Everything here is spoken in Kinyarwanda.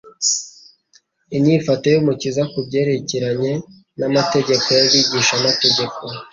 Inyifato y'Umukiza ku byerekeranye n'amategeko y'abigishamategeko